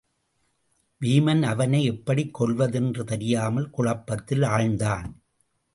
வீமன் அவனை எப்படிக் கொல்வது என்று தெரியாமல் குழப்பத்தில் ஆழ்ந்தான்.